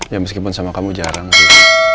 ya meskipun sama kamu jarang sih